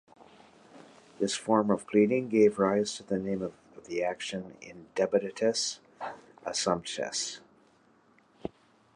This form of pleading gave rise to the name of the action: "indebitatus assumpsit".